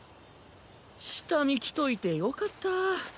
下見来といてよかったぁ。